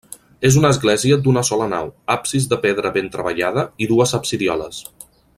És una església duna sola nau, absis de pedra ben treballada i dues absidioles.